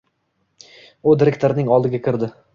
U direktorning oldiga kirdi.